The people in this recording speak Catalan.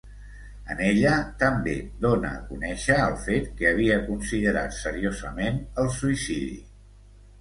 En ella també dóna a conèixer el fet que havia considerat seriosament el suïcidi.